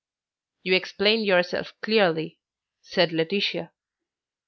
"You explain yourself clearly," said Laetitia.